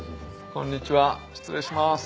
こんにちは失礼します。